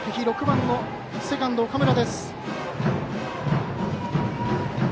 ６番のセカンド、岡村。